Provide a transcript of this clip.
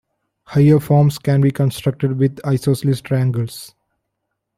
Higher forms can be constructed with isosceles triangles.